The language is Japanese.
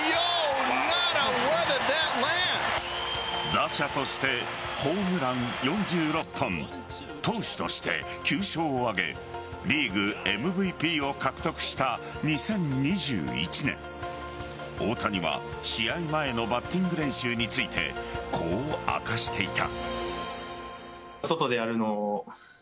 打者としてホームラン４６本投手として９勝を挙げリーグＭＶＰを獲得した２０２１年大谷は試合前のバッティング練習についてこう明かしていた。